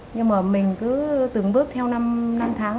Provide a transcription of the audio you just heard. nhưng mà mình cứ từng bước theo năm tháng